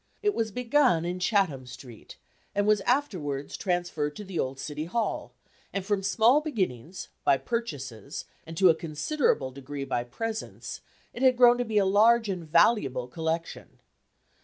It was begun in Chatham Street, and was afterwards transferred to the old City Hall, and from small beginnings, by purchases, and to a considerable degree by presents, it had grown to be a large and valuable collection.